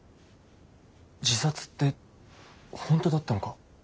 自殺って本当だったのか。